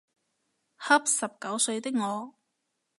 恰十九歲的我